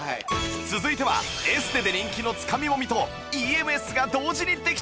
続いてはエステで人気のつかみもみと ＥＭＳ が同時にできちゃう！